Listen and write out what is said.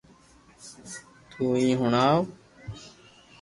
توھي ھڻاو